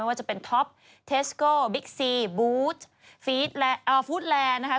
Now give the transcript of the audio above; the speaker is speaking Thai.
ว่าจะเป็นท็อปเทสโกบิ๊กซีบูธฟู้ดแลนด์นะคะ